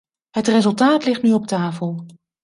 Het resultaat ligt nu op tafel.